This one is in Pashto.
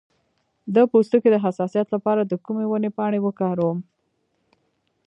د پوستکي د حساسیت لپاره د کومې ونې پاڼې وکاروم؟